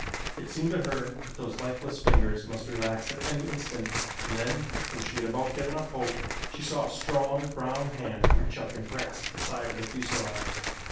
It seemed to her that those lifeless fingers must relax at any instant and then, when she had about given up hope, she saw a strong brown hand reach up and grasp the side of the fuselage.